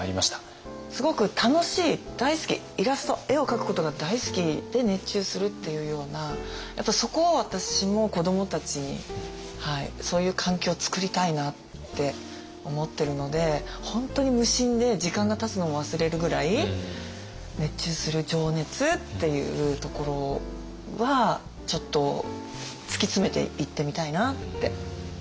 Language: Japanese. すごく楽しい大好きイラスト絵を描くことが大好きで熱中するっていうようなやっぱそこを私も子どもたちにそういう環境をつくりたいなって思ってるので本当に無心で時間がたつのも忘れるぐらい熱中する情熱っていうところはちょっと突き詰めていってみたいなって思いました。